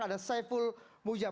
ada saiful mujad